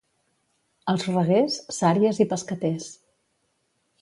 Als Reguers, sàries i pescaters.